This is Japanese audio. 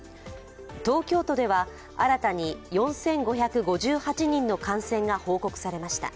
東京都では新たに４５５８人の感染が報告されました。